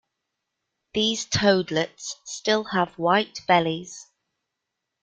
These toadlets still have white bellies.